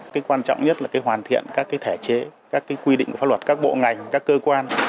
cái quan trọng nhất là hoàn thiện các thể chế các quy định của pháp luật các bộ ngành các cơ quan